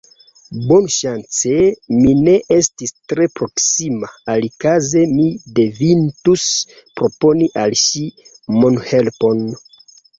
Bonŝance mi ne estis tre proksima, alikaze mi devintus proponi al ŝi monhelpon...